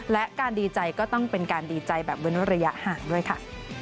และการดีใจก็ต้องเป็นการดีใจแบบเว้นระยะห่างด้วยค่ะ